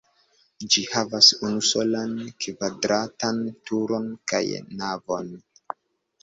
Ĝi havas unusolan kvadratan turon kaj navon.